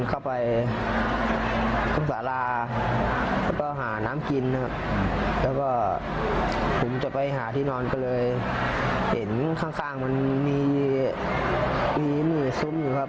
สาราแล้วก็หาน้ำกินครับแล้วก็ผมจะไปหาที่นอนก็เลยเห็นข้างข้างมันมีมีมือซุ้มอยู่ครับ